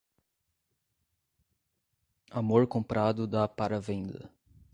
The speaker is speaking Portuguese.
Amor comprado dá para venda.